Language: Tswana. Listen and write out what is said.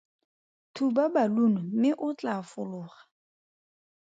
Thuba balunu mme o tlaa fologa.